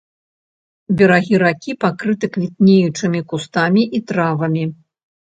Берагі ракі пакрыты квітнеючымі кустамі і травамі.